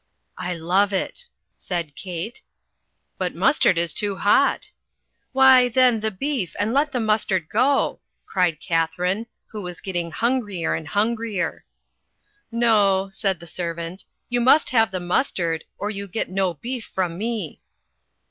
"I love it," said Kate. "But mustard is too hot." "Why, then, the beef, and let the mustard go," cried Katharine, who was getting hungrier and hungrier. "No," said the servant, "you must have the mustard, or you get no beef from me."